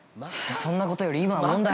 ◆そんなことより今は問題！